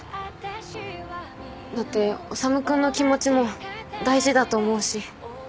だって修君の気持ちも大事だと思うし。